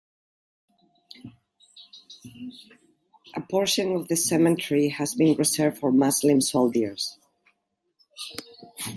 A portion of the cemetery has been reserved for Muslim soldiers.